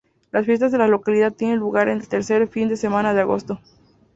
Las fiestas de la localidad tienen lugar el tercer fin de semana de agosto.